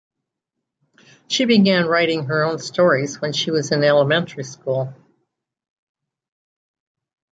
She began writing her own stories when she was in elementary school.